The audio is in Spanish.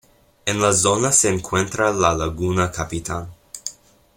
En la zona se encuentra la Laguna Capitán.